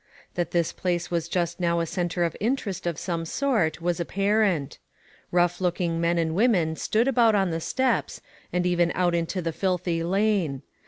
That this place was just now a centre of interest of some sort, was apparent. Hough looking men and women stood about on the steps, and even out into the filthy lane.